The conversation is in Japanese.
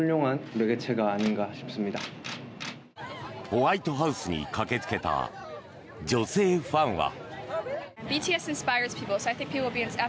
ホワイトハウスに駆けつけた女性ファンは。